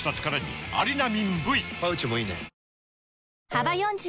幅４０